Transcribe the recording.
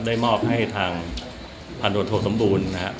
ได้มอบให้ทางพันธุ์โทษสมบูรณ์นะครับ